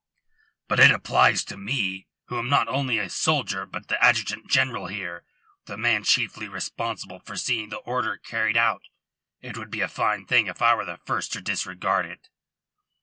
"But it applies to me, who am not only a soldier, but the Adjutant General here, the man chiefly responsible for seeing the order carried out. It would be a fine thing if I were the first to disregard it."